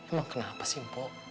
emang kenapa sih mpok